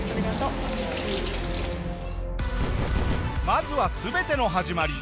まずは全ての始まり